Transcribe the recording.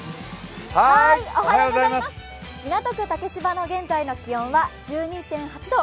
港区竹芝の現在の気温は１２．８度。